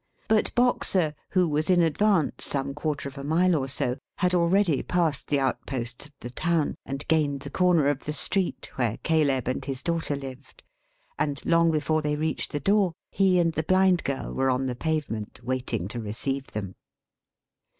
But Boxer, who was in advance some quarter of a mile or so, had already passed the outposts of the town, and gained the corner of the street where Caleb and his daughter lived; and long before they reached the door, he and the Blind Girl were on the pavement waiting to receive them.